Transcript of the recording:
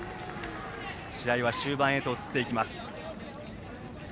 試合は終盤へと移っていきます。